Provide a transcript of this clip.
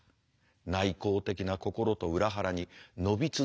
内向的な心と裏腹に伸び続けていく身の丈。